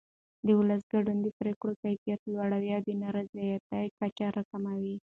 د ولس ګډون د پرېکړو کیفیت لوړوي او د نارضایتۍ کچه راکموي